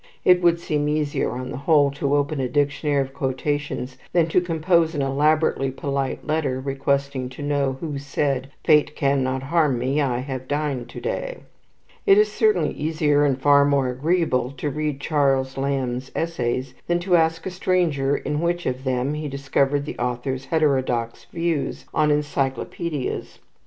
It would seem easier, on the whole, to open a dictionary of quotations than to compose an elaborately polite letter, requesting to know who said "Fate cannot harm me; I have dined to day." It is certainly easier, and far more agreeable, to read Charles Lamb's essays than to ask a stranger in which one of them he discovered the author's heterodox views on encyclopaedias.